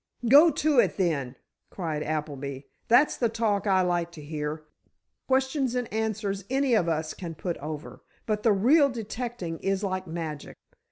"Go to it, then!" cried Appleby. "That's the talk I like to hear. Questions and answers any of us can put over. But the real detecting is like magic.